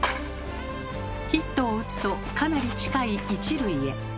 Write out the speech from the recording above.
ヒットを打つとかなり近い１塁へ。